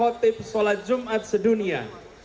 para khotib sholat jumat di dunia